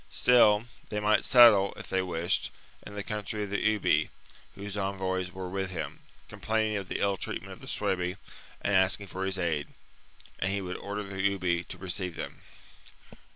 Still, they might settle, if they wished, in the country of the Ubii, whose envoys were with him, com plaining of the ill treatment of the Suebi and asking for his aid ; and he would order the Ubii to receive them.